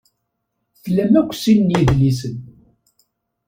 Tlam akk sin n yidlisen.